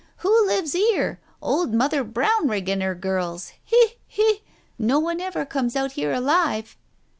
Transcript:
" Who lives 'ere ? Old Mother Brownrigg and her girls. He ! He ! No one ever comes out here alive.